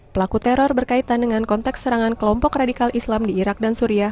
pelaku teror berkaitan dengan konteks serangan kelompok radikal islam di irak dan suria